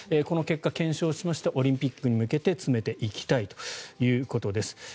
この結果を検証しましてオリンピックに向けて詰めていきたいということです。